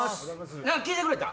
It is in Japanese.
聞いてくれた？